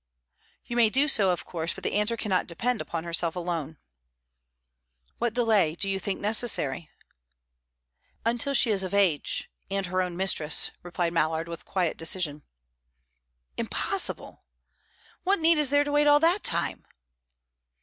"You may do so, of course, but the answer cannot depend upon herself alone." "What delay do you think necessary?" "Until she is of age, and her own mistress," replied Mallard, with quiet decision. "Impossible! What need is there to wait all that time?"